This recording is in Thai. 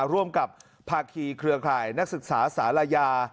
ร่วมกับภาคีเครือข่ายนักศึกษาศาลายา